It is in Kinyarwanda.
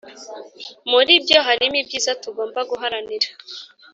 Muri byo harimo ibyiza tugomba guharanira